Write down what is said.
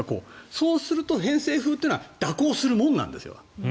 そうすると偏西風というのは蛇行するものなんですよ。